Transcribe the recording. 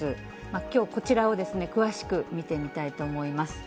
きょう、こちらを詳しく見てみたいと思います。